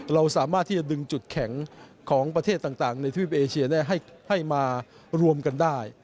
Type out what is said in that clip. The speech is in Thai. เราสามารถที่จะดึงจุดแข็งของประเทศต่างในทวีปเอเชียให้มารวมกันได้